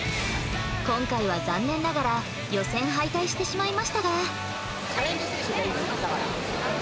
今回は残念ながら予選敗退してしまいましたが。